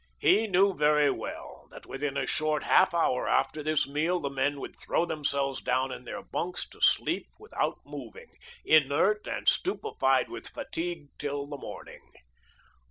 He knew very well that within a short half hour after this meal the men would throw themselves down in their bunks to sleep without moving, inert and stupefied with fatigue, till the morning.